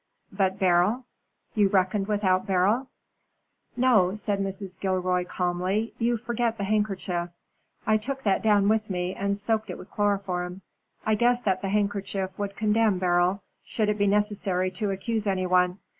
"But Beryl? You reckoned without Beryl?" "No," said Mrs. Gilroy, calmly. "You forget the handkerchief. I took that down with me, and soaked it with chloroform. I guessed that the handkerchief would condemn Beryl, should it be necessary to accuse any one.